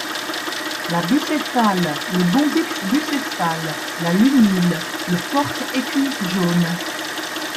La Bucéphale, le bombyx bucéphale, la Lunule, le Porte-écu jaune.